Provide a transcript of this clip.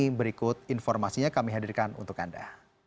ini berikut informasinya kami hadirkan untuk anda